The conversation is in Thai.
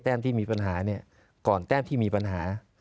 ที่มีปัญหาเนี่ยก่อนแต้มที่มีปัญหา